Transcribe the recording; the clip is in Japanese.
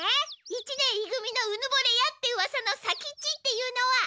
一年い組のうぬぼれやってうわさの左吉っていうのは。